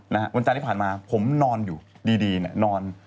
วันจันทร์ที่ผ่านมาผมนอนอยู่ดีนอน